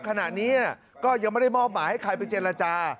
ขณะนี้ก็ยังไม่ได้มอบหมายให้ใครไปเจรจา